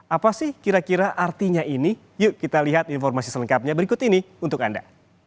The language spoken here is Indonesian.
apa sih kira kira artinya ini yuk kita lihat informasi selengkapnya berikut ini untuk anda